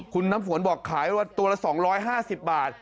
คุณน้ำฝนบอกขายตัวละ๒๕๐บาท